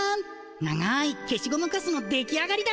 長いけしゴムカスの出来上がりだ。